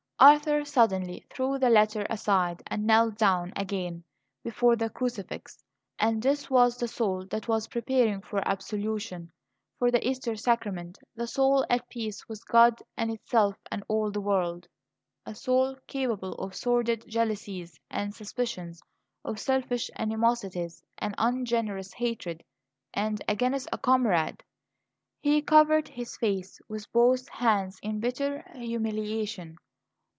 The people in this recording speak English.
Arthur suddenly threw the letter aside and knelt down again before the crucifix. And this was the soul that was preparing for absolution, for the Easter sacrament the soul at peace with God and itself and all the world! A soul capable of sordid jealousies and suspicions; of selfish animosities and ungenerous hatred and against a comrade! He covered his face with both hands in bitter humiliation.